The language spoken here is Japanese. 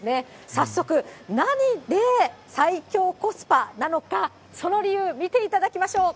早速、何で最強コスパなのか、その理由、見ていただきましょう。